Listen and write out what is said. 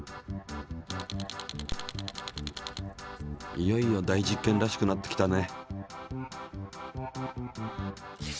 いよいよ大実験らしくなってきたね。